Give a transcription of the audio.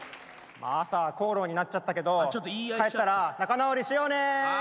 朝口論になっちゃったけど帰ったら仲直りしようね！